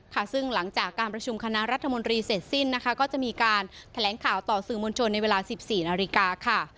ค่ะซึ่งหลังจากการประชุมคณะรัฐมนตรีเสร็จสิ้นนะคะก็จะมีการแถลงข่าวต่อสื่อมวลชนในเวลา๑๔นาฬิกาค่ะ